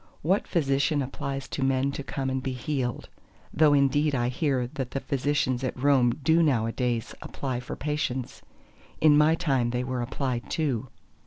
What Physician applies to men to come and be healed? (Though indeed I hear that the Physicians at Rome do nowadays apply for patients—in my time they were applied to.)